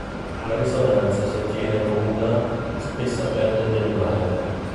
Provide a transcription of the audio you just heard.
La risonanza si ottiene con una spessa pelle di animale.